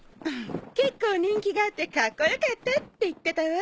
結構人気があってかっこよかったって言ってたわ。